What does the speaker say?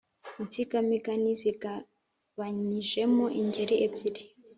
Insigamigani zigabanyijemo ingeri ebyiri